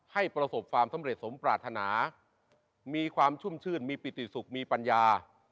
ประสบความสำเร็จสมปรารถนามีความชุ่มชื่นมีปิติสุขมีปัญญา